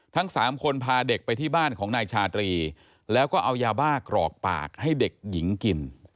ทั้งสามคนพาเด็กไปที่บ้านของนายชาตรีแล้วก็เอายาบ้ากรอกปากให้เด็กหญิงกิน